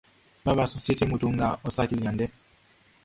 Baba su siesie moto ngʼɔ saciliʼn andɛ.